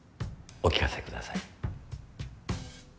お聞かせください。